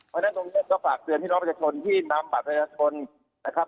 เพราะฉะนั้นโดมเศษก็ฝากเซือนพี่น้องประชะชนที่นำประชะชนนะครับ